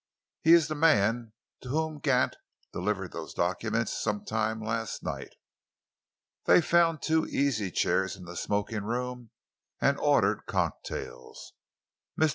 He is the man to whom Gant delivered those documents some time last night." They found two easy chairs in the smoking room and ordered cocktails. Mr.